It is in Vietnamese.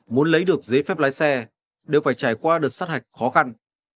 muốn lấy được giấy phép lái xe đều phải trải qua đợt sát hạch khó khăn